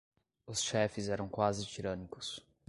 Os chefes eram quase tirânicos.